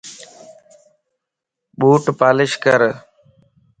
ٻوٽ پالش ڪر